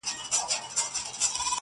په کهاله کي د مارانو شور ماشور سي!